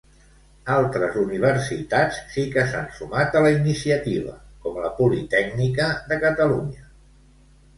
Altres universitats sí que s'han sumat a la iniciativa, com la Politècnica de Catalunya.